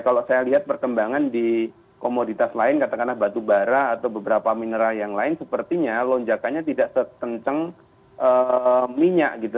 kalau saya lihat perkembangan di komoditas lain katakanlah batu bara atau beberapa mineral yang lain sepertinya lonjakannya tidak setenceng minyak gitu